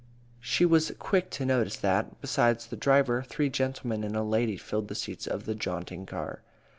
She was quick to notice that, besides the driver, three gentlemen and a lady filled the seats of the jaunting car.